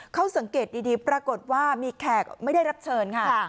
เขาสังเกตดีปรากฏว่ามีแขกไม่ได้รับเชิญค่ะ